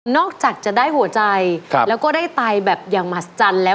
จากจะได้หัวใจแล้วก็ได้ไตแบบอย่างมหัศจรรย์แล้ว